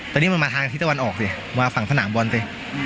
ตอนนี้มันมาทางทิศตะวันออกสิมาฝั่งสนามบอลสิ